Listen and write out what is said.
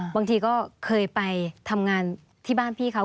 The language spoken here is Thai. บางทีก็เคยไปทำงานที่บ้านพี่เขา